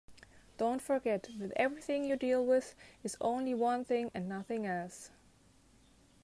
Don't forget that everything you deal with is only one thing and nothing else.